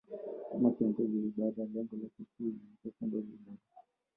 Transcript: Kama kiongozi wa ibada, lengo lake kuu lilikuwa kuongoza ibada.